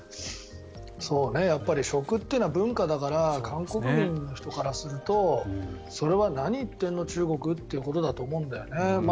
やっぱり食っていうのは文化だから韓国国民からするとそれは、何を言ってるの、中国ってことなんだと思うんだよね。